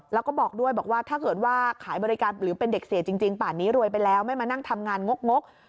แล้วก็บอกด้วยบอกว่าถ้าเกิดว่าขายบริการหรือเป็นเด็กเสียจริงป่านนี้รวยไปแล้วไม่มานั่งทำงานงก